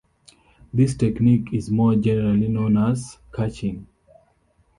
This technique is more generally known as caching.